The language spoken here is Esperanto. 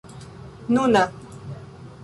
nuna